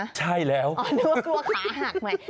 นึกว่ากลัวขาหักไหม